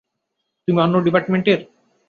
তুমি অন্য ডিপার্টমেন্টের?